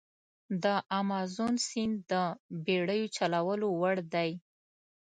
د امازون سیند د بېړیو چلولو وړ دی.